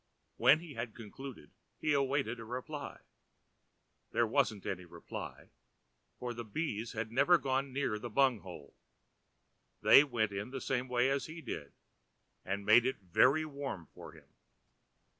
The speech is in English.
When he had concluded, he awaited a reply. There wasn't any reply; for the bees had never gone near the bung hole; they went in the same way as he did, and made it very warm for him.